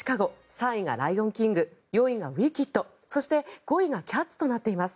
３位が「ライオンキング」４位が「ウィキッド」そして５位が「キャッツ」となっています。